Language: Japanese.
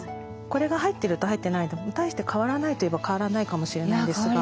これが入ってると入ってないのと大して変わらないといえば変わらないかもしれないですが。